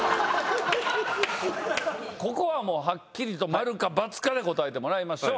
ここははっきりとマルかバツで答えてもらいましょう。